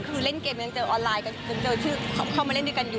คือเล่นเกมยังเจอออนไลน์กัน